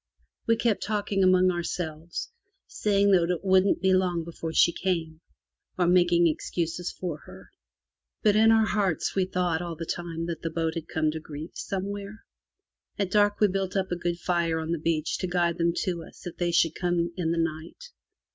We kept talking among ourselves, saying that it wouldn't be long before she came, or making excuses for her. But in our hearts we thought all the time that the boat had come to grief somewhere. At dark we built up a good fire on the beach to guide them to us if they should come in the night.